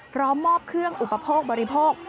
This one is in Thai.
พร้อมมอบเครื่องอุปโภคบริโภค